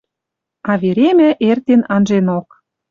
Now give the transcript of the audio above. А веремӓ эртен анженок.